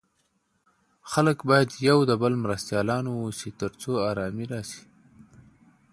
خلګ بايد يو د بل مرستيالان واوسي تر څو ارامي راسي.